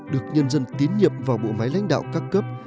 được nhân dân tiến nhập vào bộ máy lãnh đạo ca cấp